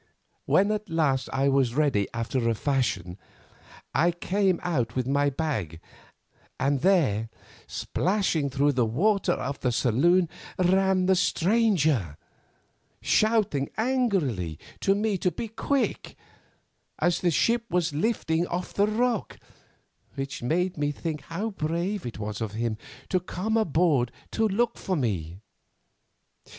When at last I was ready after a fashion, I came out with my bag, and there, splashing through the water of the saloon, ran the stranger, shouting angrily to me to be quick, as the ship was lifting off the rock, which made me think how brave it was of him to come aboard to look for me.